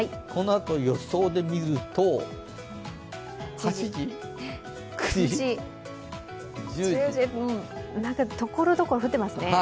このあと予想で見るとところどころ降っていますね。